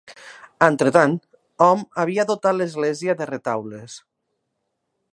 Entretant, hom havia dotat l'església de retaules.